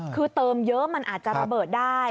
คือเติมเยอะมันอาจจะระเบิดได้